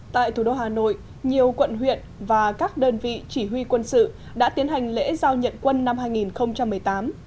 tại thủ đô hà nội nhiều quận huyện và các đơn vị chỉ huy quân sự đã tiến hành lễ giao nhận quân năm hai nghìn một mươi tám